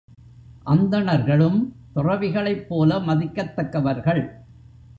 அந்தணர்களும் துறவிகளைப் போல மதிக்கத்தக்கவர்கள்.